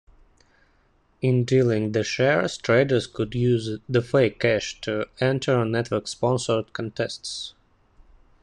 In dealing the "shares", traders could use the fake cash to enter network-sponsored contests.